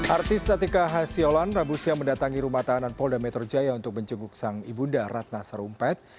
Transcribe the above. artis atika hasyolan rabusia mendatangi rumah tahanan polda metro jaya untuk mencenguk sang ibunda ratna sarumpet